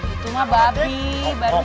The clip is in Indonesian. itu mah babi barusan